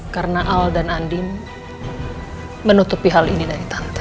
karena al dan andin menutupi hal ini dari tante